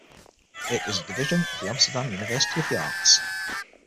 It is a division of the Amsterdam University of the Arts.